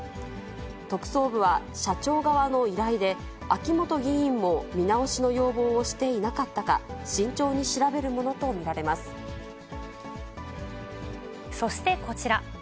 特捜部は、社長側の依頼で、秋本議員も見直しの要望をしていなかったか、慎重に調べるものとそしてこちら。